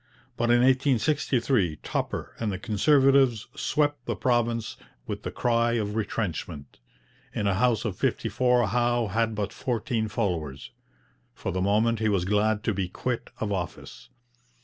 But in 1863 Tupper and the Conservatives swept the province with the cry of retrenchment. In a house of fifty four Howe had but fourteen followers. For the moment he was glad to be quit of office.